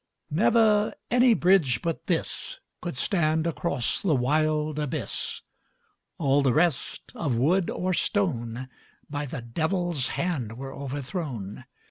Never any bridge but this Could stand across the wild abyss; All the rest, of wood or stone, By the Devil's hand were overthrown.